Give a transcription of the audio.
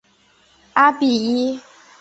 阿比伊。